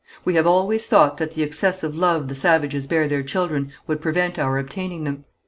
We have always thought that the excessive love the savages bear their children would prevent our obtaining them.